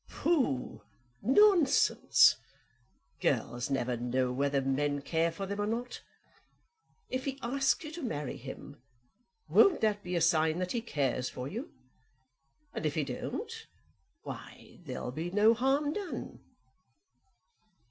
"Pooh, nonsense! Girls never know whether men care for them or not. If he asks you to marry him, won't that be a sign that he cares for you? and if he don't, why, there'll be no harm done."